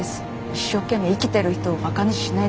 一生懸命生きてる人をバカにしないで。